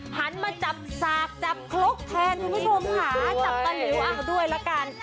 หันมาจับสากจับคลกแทนคุณผู้ชมค่ะจับตาหลิวเอาด้วยละกัน